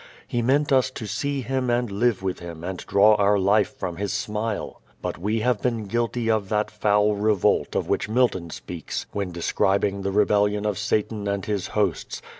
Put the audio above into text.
He meant us to see Him and live with Him and draw our life from His smile. But we have been guilty of that "foul revolt" of which Milton speaks when describing the rebellion of Satan and his hosts.